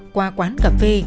qua quán cà phê